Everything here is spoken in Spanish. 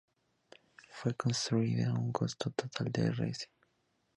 Fue construida a un costo total de Rs.